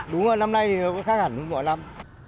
đúng rồi năm nay thì nó có khác hẳn với mỗi năm